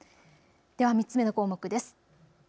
では３つ目の項目です。